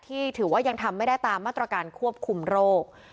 ที่ถือว่ายังทำไม่ได้ตามมาตรการควบคุมโรค